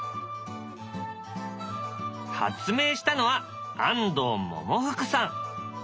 発明したのは安藤百福さん。